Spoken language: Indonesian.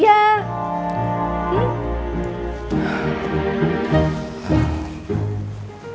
ya ini dia